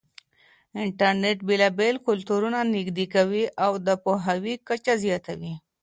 انټرنېټ بېلابېل کلتورونه نږدې کوي او د پوهاوي کچه زياتوي.